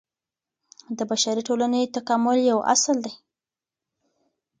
د بشري ټولني تکامل يو اصل دی.